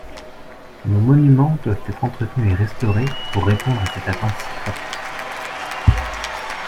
Nos monuments doivent être entretenus et restaurés pour répondre à cette attente si forte.